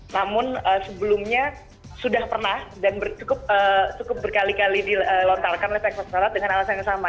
namun sebelumnya sudah pernah dan cukup berkali kali dilontarkan oleh sektor dengan alasan yang sama